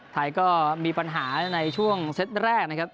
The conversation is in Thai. ไทยก็มีปัญหาในช่วงเซตแรกนะครับ